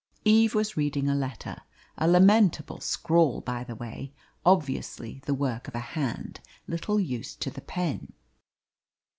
Eve was reading a letter a lamentable scrawl, by the way obviously the work of a hand little used to the pen.